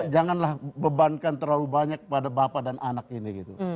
janganlah bebankan terlalu banyak pada bapak dan anak ini gitu